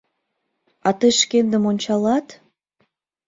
А тый шкендым ончалат?